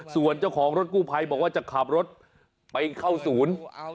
ส่วนเจ้าของรถกู้ภัยบอกว่าจะขับรถไปเข้าศูนย์